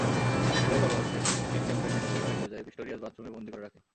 বইয়ে বলা হয়েছে, স্টিনক্যাম্পের সঙ্গে ঝগড়ার একপর্যায়ে পিস্টোরিয়াস বাথরুমে বন্দী করে রাখেন।